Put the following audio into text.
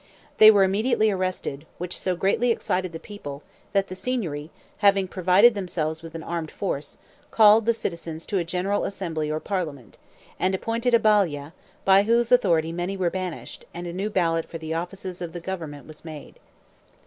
They were immediately arrested, which so greatly excited the people, that the Signory, having provided themselves with an armed force, called the citizens to a general assembly or parliament, and appointed a Balia, by whose authority many were banished, and a new ballot for the offices of government was made.